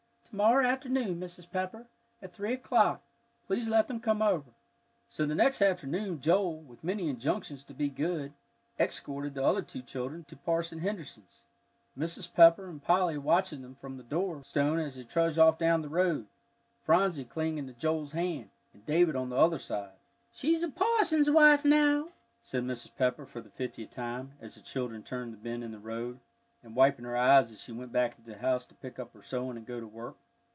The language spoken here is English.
"To morrow afternoon, Mrs. Pepper, at three o'clock, please let them come over." So the next afternoon Joel, with many injunctions to be good, escorted the other two children to Parson Henderson's, Mrs. Pepper and Polly watching them from the door stone as they trudged off down the road, Phronsie clinging to Joel's hand, and David on the other side. "She's a parson's wife, now!" said Mrs. Pepper for the fiftieth time, as the children turned the bend in the road, and wiping her eyes she went back into the house to pick up her sewing and go to work.